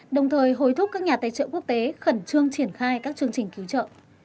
đồng thời hối thúc các nhà tài trợ quốc tế khẩn trương triển khai các chương trình cứu trợ